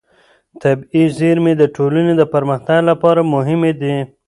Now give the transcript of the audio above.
طبیعي زېرمې د ټولنې د پرمختګ لپاره مهمې دي.